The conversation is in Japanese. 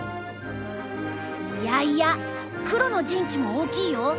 いやいや黒の陣地も大きいよ。